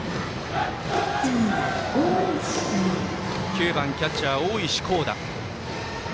９番、キャッチャー、大石広那。